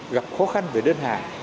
gặp khó khăn về đơn hàng